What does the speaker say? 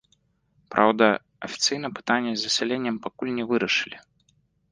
Праўда, афіцыйна пытанне з засяленнем пакуль не вырашылі.